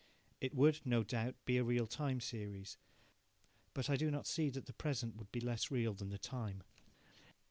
It would, no doubt, be a real time series, but I do not see that the present would be less real than the time.